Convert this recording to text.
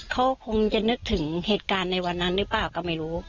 เขาคงจะนึกถึงเหตุการณ์ในวันนั้นหรือเปล่าก็ไม่รู้